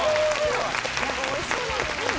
おいしそうなんだよね。